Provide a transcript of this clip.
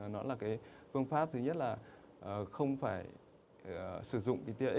nó là cái phương pháp thứ nhất là không phải sử dụng btrx